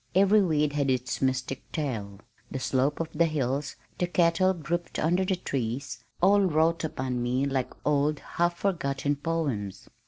Every weed had its mystic tale. The slopes of the hills, the cattle grouped under the trees, all wrought upon me like old half forgotten poems.